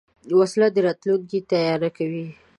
وسله د راتلونکي تیاره کوي